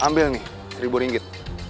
ambil nih seribu ringgit